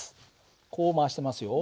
こう回してますよ。